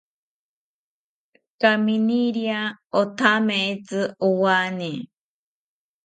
Kaminiria othameitzi owane